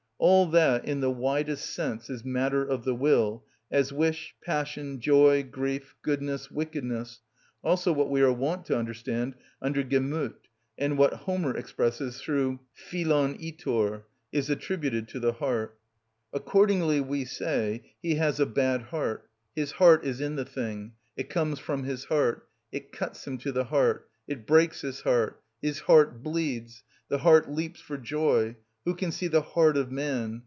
All that, in the widest sense, is matter of the will, as wish, passion, joy, grief, goodness, wickedness, also what we are wont to understand under "Gemüth," and what Homer expresses through φιλον ἠτορ, is attributed to the heart. Accordingly we say: He has a bad heart;—his heart is in the thing;—it comes from his heart;—it cut him to the heart;—it breaks his heart;—his heart bleeds;—the heart leaps for joy;—who can see the heart of man?